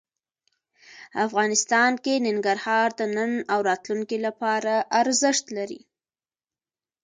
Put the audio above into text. افغانستان کې ننګرهار د نن او راتلونکي لپاره ارزښت لري.